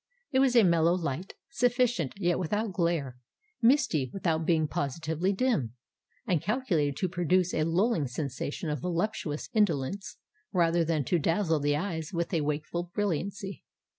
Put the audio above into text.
It was a mellow light, sufficient, yet without glare—misty, without being positively dim—and calculated to produce a lulling sensation of voluptuous indolence, rather than to dazzle the eyes with a wakeful brilliancy.